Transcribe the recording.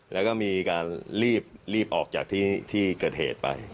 แล้วก็มีการรีบออกจากที่เกิดเหตุไป